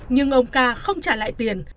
nhưng ông ca không trả lại tiền